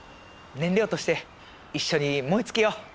燃料として一緒に燃え尽きよう。